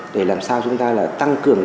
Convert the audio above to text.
để làm sao chúng ta là tăng cường